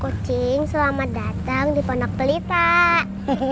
kucing selamat datang di ponok peli pak